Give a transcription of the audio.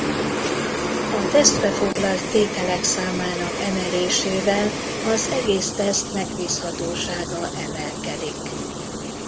A tesztbe foglalt tételek számának emelésével az egész teszt megbízhatósága emelkedik.